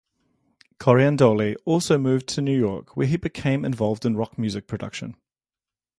Coriandoli also moved to New York, where he became involved in rock music production.